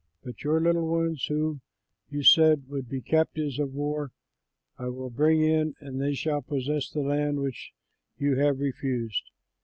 But your little ones, who, you said, would be captives of war, I will bring in, and they shall possess the land which you have refused.